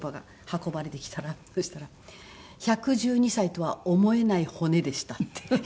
運ばれてきたらそしたら「１１２歳とは思えない骨でした」って言われて。